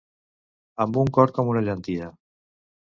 Amb un cor com una llentia.